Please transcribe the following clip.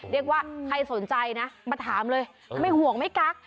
เรียกว่าใครสนใจนะมาถามเลยไม่ห่วงไม่กัก